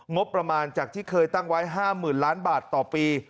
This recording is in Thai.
งบประมาณจากที่เคยตั้งไว้๕๐๐๐ล้านบาทต่อปี